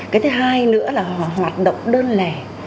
cái thứ hai nữa là hoạt động đơn lẻ